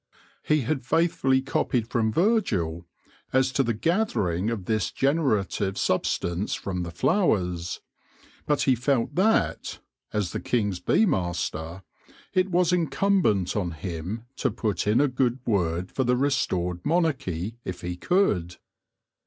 He had faithfully copied from Virgil as to the gathering of this generative substance from the flowers ; but he felt that, as the King's Bee Master, it was incumbent on him to put in a good word for the restored mon archy if he could.